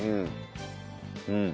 うん！